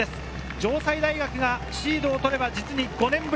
城西大学がシードを取れば５年振り。